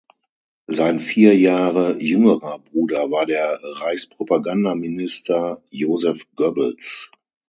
Sein vier Jahre jüngerer Bruder war der Reichspropagandaminister Joseph Goebbels.